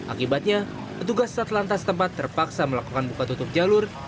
akibatnya petugas satlantas tempat terpaksa melakukan buka tutup jalur